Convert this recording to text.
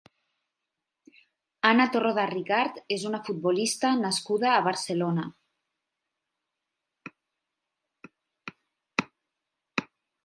Anna Torrodà Ricart és una futbolista nascuda a Barcelona.